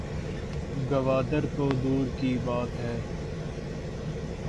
گوادر تو دور کی بات ہے